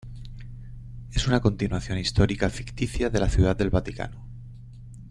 Es una continuación histórica ficticia de la Ciudad del Vaticano.